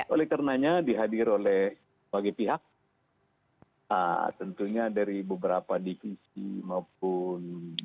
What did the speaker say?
oleh karenanya dihadir oleh bagi pihak tentunya dari beberapa divisi maupun